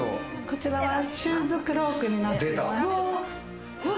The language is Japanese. こちらはシューズクロークになってます。